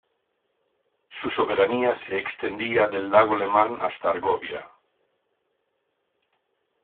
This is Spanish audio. Su soberanía se extendía del lago Lemán hasta Argovia.